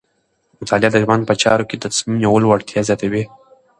مطالعه د ژوند په چارو کې د تصمیم نیولو وړتیا زیاتوي.